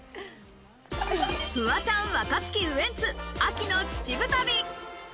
フワちゃん、若槻、ウエンツ、秋の秩父旅。